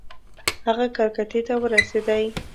هغه کلکتې ته ورسېدی.